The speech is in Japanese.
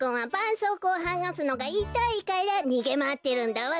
そうこうをはがすのがいたいからにげまわってるんだわべ。